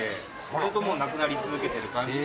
ずっともうなくなり続けてる感じで。